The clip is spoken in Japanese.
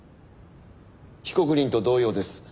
被告人と同様です。